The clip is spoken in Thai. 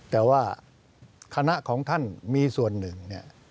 แต่ว่าคณะของท่านมีส่วนหนึ่งเนี่ย